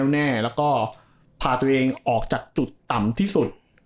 แน่แล้วก็พาตัวเองออกจากจุดต่ำที่สุด